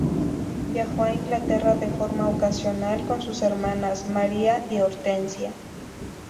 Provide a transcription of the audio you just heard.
Viajó a Inglaterra de forma ocasional con sus hermanas María y Hortensia.